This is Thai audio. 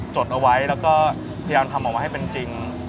จดเอาไว้แล้วก็พยายามทำออกมาให้เป็นจริง